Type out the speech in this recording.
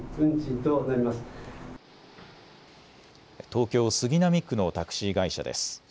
東京杉並区のタクシー会社です。